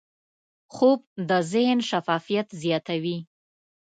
خوب د ذهن شفافیت زیاتوي